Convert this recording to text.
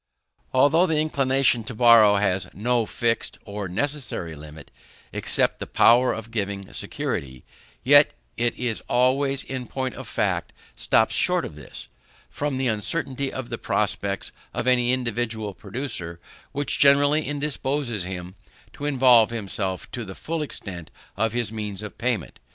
Although the inclination to borrow has no fixed or necessary limit except the power of giving security, yet it always, in point of fact, stops short of this; from the uncertainty of the prospects of any individual producer, which generally indisposes him to involve himself to the full extent of his means of payment.